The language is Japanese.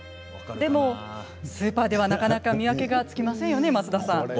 でもスーパーではなかなか見分けがつきませんよね増田さん。